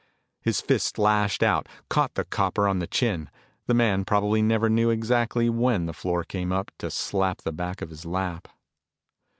His fist lashed out, caught the copper on the chin. The man probably never knew exactly when the floor came up to slap the back of his lap.